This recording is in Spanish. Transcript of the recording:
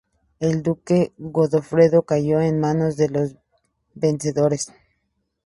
El duque Godofredo cayó en manos de los vencedores.